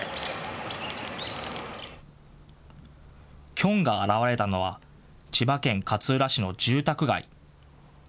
キョンが現れたのは千葉県勝浦市の住宅街。